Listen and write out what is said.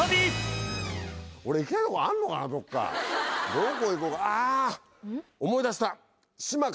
どこ行こうかあぁ！